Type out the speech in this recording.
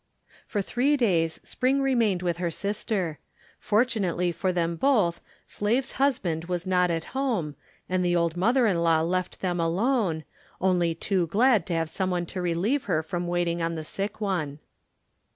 For three days Spring remained with her sister. Fortunately for them both Slave's husband was not at home, and the old mother in law left them alone only too glad to have someone to relieve her from waiting on the sick one.